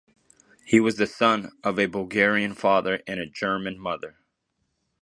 He was the son of a Bulgarian father and German mother.